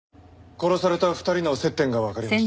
殺された２人の接点がわかりました。